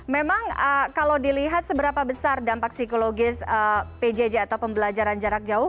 memang kalau dilihat seberapa besar dampak psikologis pjj atau pembelajaran jarak jauh